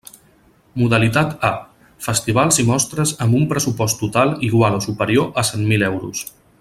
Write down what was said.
Modalitat A: festivals i mostres amb un pressupost total igual o superior a cent mil euros.